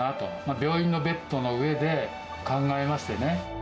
病院のベッドの上で考えましてね。